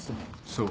そう。